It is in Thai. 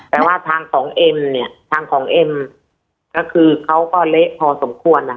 แต่ว่าทางของเอ็มเนี่ยทางของเอ็มก็คือเขาก็เละพอสมควร